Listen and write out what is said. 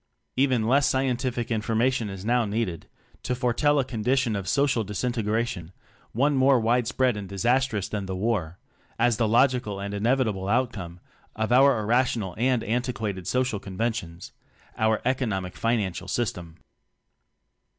Even less scientific imagination is now needed to foretell a condition of social disintegration, one more wide spread and disastrous than the War, as the logical and inevitable outcome of our irrational and antiquated so cial conventions our "economic and financial system."